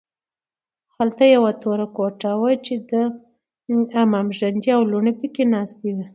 هلته یوه توره کوټه وه چې د عمه نګورانې او لوڼې پکې ناستې وې